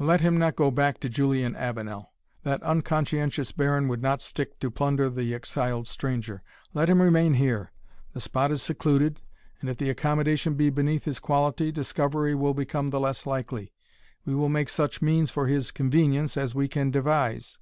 Let him not go back to Julian Avenel that unconscientious baron would not stick to plunder the exiled stranger Let him remain here the spot is secluded, and if the accommodation be beneath his quality, discovery will become the less likely. We will make such means for his convenience as we can devise."